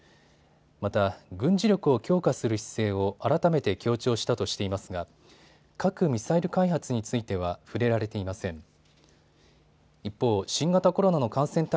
また軍事力を強化する姿勢を改めて強調したとしていますが核・ミサイル開発については触れられていません。